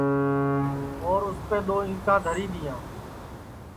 اور اُسپے دؔو اِنٹا دھری دیاں